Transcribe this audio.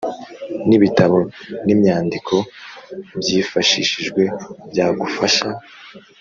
n’ibitabo n’imyandiko byifashishijwe byagufasha